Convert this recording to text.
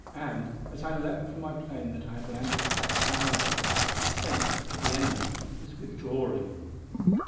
And, as I leaped from my plane that I had landed back of our lines, I sensed that the enemy was withdrawing.